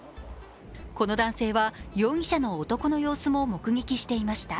この男性は容疑者の男の様子も目撃していました。